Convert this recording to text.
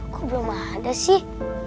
kok belum ada sih